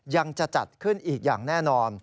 จะจัดขึ้นอีกอย่างแน่นอน